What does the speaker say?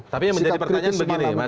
tapi yang menjadi pertanyaan begini mas